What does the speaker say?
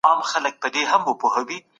دلارام په ولسي قصې کي ډېر یاد سوی دی.